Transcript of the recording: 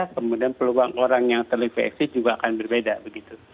kemudian peluang orang yang terinfeksi juga akan berbeda begitu